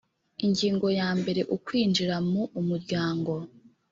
ingingo ya mbere ukwinjira mu umuryango